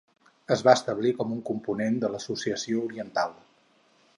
Es va establir com un component de l'Associació Oriental.